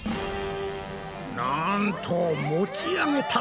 なんと持ち上げた！